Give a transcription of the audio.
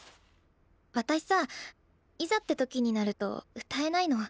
私さいざって時になると歌えないの。